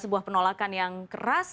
sebuah penolakan yang keras